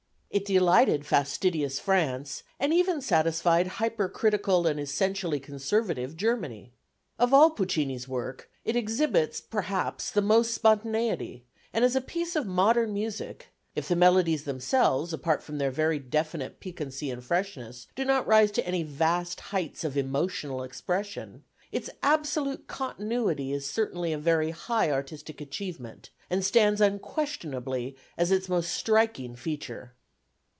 It delighted fastidious France and even satisfied hypercritical and essentially conservative Germany. Of all Puccini's work, it exhibits perhaps the most spontaneity, and as a piece of modern music if the melodies themselves, apart from their very definite piquancy and freshness, do not rise to any vast heights of emotional expression its absolute continuity is certainly a very high artistic achievement and stands unquestionably as its most striking feature.